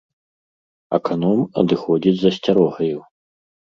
Аканом адыходзіць з асцярогаю.